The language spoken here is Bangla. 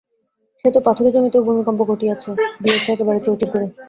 সে তো পাথুরে জমিতেও ভূমিকম্প ঘটিয়েছে, দিয়েছে একেবারে চৌচির করে।